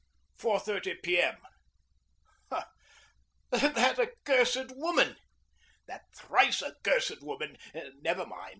4.30 P. M. Ah, that accursed woman! That thrice accursed woman! Never mind!